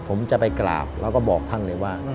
ผมจะไปกราบแล้วก็บอกท่านเลยว่า